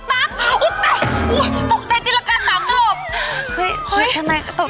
แอร์โหลดแล้วคุณล่ะโหลดแล้ว